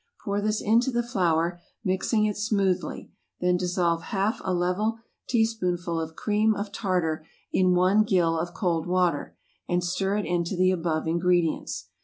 Pour this into the flour, mixing it smoothly; then dissolve half a level teaspoonful of cream of tartar in one gill of cold water, and stir it into the above ingredients.